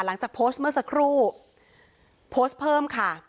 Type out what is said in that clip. หลังจากโพสต์เมื่อสักครู่โพสต์เพิ่มค่ะ